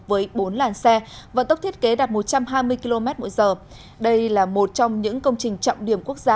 với bốn làn xe vận tốc thiết kế đạt một trăm hai mươi km mỗi giờ đây là một trong những công trình trọng điểm quốc gia